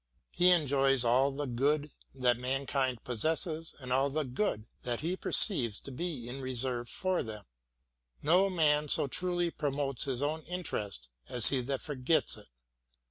He enjoys all the good that mankind possesses, and all the good that he perceives to be in reserve for them. No man so truly promotes his own interest as he that forgets it.